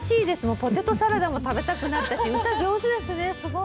ポテトサラダも食べたくなったし、歌上手ですね、すごい。